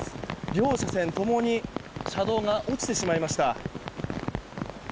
両車線共に車道が落ちてしまいました。